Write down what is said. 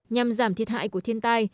nhằm giảm thiệt hại của thiên tai